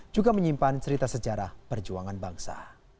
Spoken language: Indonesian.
juga menyimpan cerita sejarah perjuangan bangsa